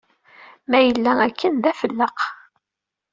Ma yella akken, d afelleq.